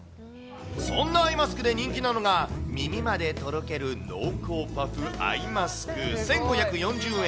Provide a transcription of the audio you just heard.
そんなアイマスクで人気なのが、耳までとろける濃厚パフアイマスク１５４０円。